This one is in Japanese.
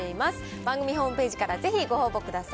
番組ホームページからぜひご応募ください。